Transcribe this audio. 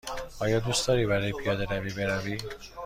آیا دوست داری برای پیاده روی بروی؟